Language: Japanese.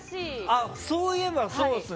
そういえばそうですね。